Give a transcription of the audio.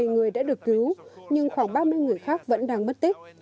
một mươi bảy người đã được cứu nhưng khoảng ba mươi người khác vẫn đang mất tích